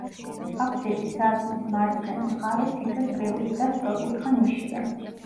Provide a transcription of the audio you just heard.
აფსიდის სარკმლის მარცხენა მხარეს თითო წრიული და სწორკუთხა ნიშია.